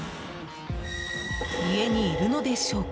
家にいるのでしょうか。